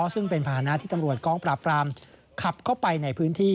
ซึ่งเป็นภาษณะที่ตำรวจกองปราบปรามขับเข้าไปในพื้นที่